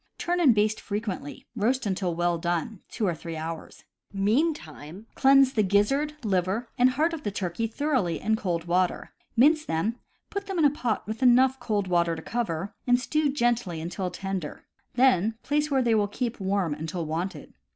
Turn and baste frequently. Roast until well done (two to three hours). Meantime cleanse the gizzard, liver, and heart of the turkey thoroughly in cold water; mince them; put them in a pot with enough cold water to cover, and stew gently until tender; then place where they will keep warm until wanted.